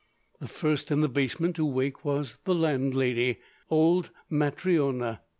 The first in the basement to wake was the landlady, old Matryona.